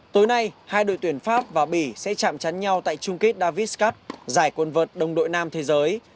tối nay hai đội tuyển pháp và bỉ sẽ chạm chắn nhau tại chung kết davis cup giải quân vật đồng đội nam thế giới